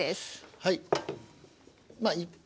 はい。